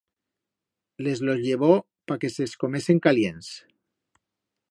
Les los llevó pa que se's comesen calients